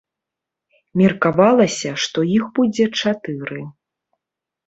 Меркавалася, што іх будзе чатыры.